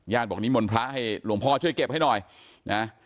ญาติบอกว่านิมลพระให้หลวงพ่อช่วยเก็บให้หน่อยนะฮะ